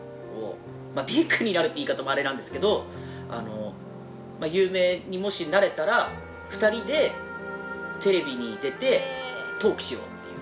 ビッグになるって言い方もあれなんですけど有名にもしなれたら２人でテレビに出てトークしようっていう。